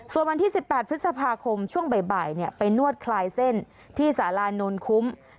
ส่วนวันที่๑๘พฤษภาคมช่วงบ่ายไปนวดคลายเส้นที่สารานนคุ้ม